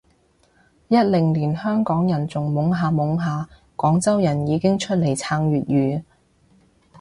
一零年香港人仲懵下懵下，廣州人已經出嚟撐粵語